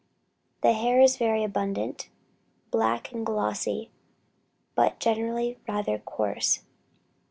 The hair is very abundant, black and glossy, but generally rather coarse.